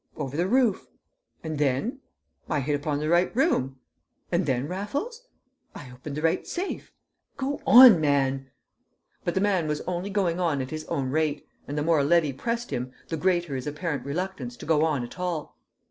"Over the roof." "And then?" "I hit upon the right room." "And then, Raffles?" "I opened the right safe." "Go on, man!" But the man was only going on at his own rate, and the more Levy pressed him, the greater his apparent reluctance to go on at all.